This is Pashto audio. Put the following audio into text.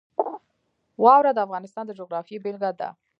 واوره د افغانستان د جغرافیې بېلګه ده.